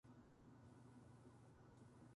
温かいスープを飲んだ。